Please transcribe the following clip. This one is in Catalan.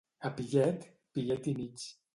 A pillet, pillet i mig.